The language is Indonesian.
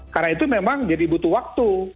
karena itu memang jadi butuh waktu